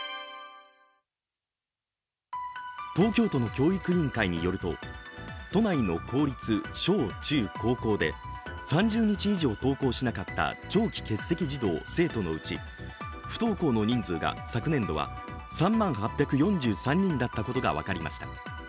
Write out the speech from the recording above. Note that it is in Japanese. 東京都の教育委員会によると都内の公立小・中・高校で、３０日以上登校しなかった長期欠席児童・生徒のうち不登校の人数が昨年度は３万８４３人だったことが分かりました。